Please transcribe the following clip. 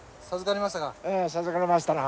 授かりましたか。